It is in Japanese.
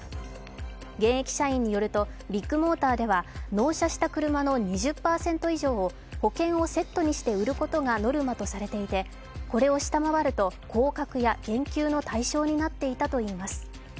現役社員によるとビッグモーターでは納車した車の２０％以上を保険をセットにして売ることがノルマとされていてこれを下回ると、降格や減給の対象になっていたといいます。